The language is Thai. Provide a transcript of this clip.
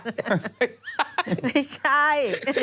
ไม่ใช่